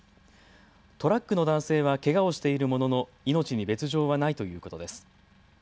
トラックの男性はけがをしているものの命に別状はないということです。